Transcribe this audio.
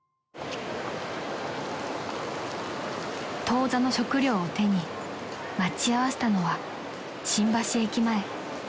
［当座の食料を手に待ち合わせたのは新橋駅前］